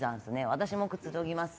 私もくつろぎます。